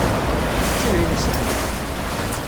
Mačči d ayen isehlen.